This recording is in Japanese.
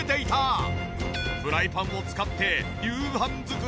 フライパンを使って夕飯作り。